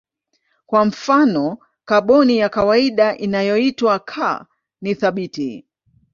Kwa mfano kaboni ya kawaida inayoitwa C ni thabiti.